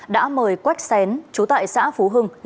đã mời quách sén chú tại xã phú hưng lên trung tâm